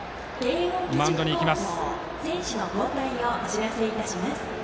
マウンドに行きます。